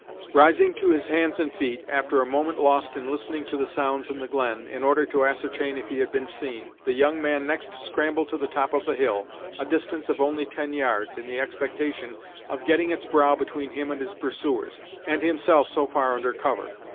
Rising to his hands and feet, after a moment lost in listening to the sounds in the glen, in order to ascertain if he had been seen, the young man next scrambled to the top of the hill, a distance of only ten yards, in the expectation of getting its brow between him and his pursuers, and himself so far under cover.